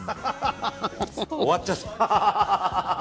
終わっちゃった。